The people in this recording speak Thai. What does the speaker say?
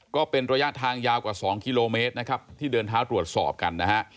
ก็เป็นระยะทางยาวกว่า๒กิโลเมตรนะครับที่เดินเท้าตรวจสอบกันนะฮะ